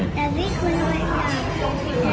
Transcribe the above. แต่พี่คุณมันก็